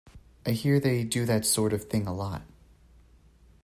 I hear they do that sort of thing a lot.